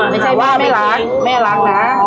ไม่ใช่ว่าไม่รักแม่รักนะ